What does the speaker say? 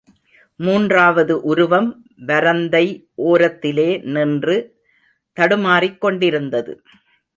மூன்றாவது உருவம் வரந்தை ஓரத்திலே நின்று தடுமாறிக் கொண்டிருந்தது.